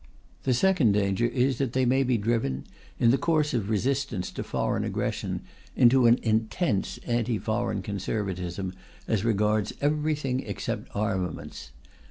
The second danger is that they may be driven, in the course of resistance to foreign aggression, into an intense anti foreign conservatism as regards everything except armaments.